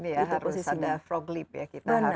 harus ada frog leap ya kita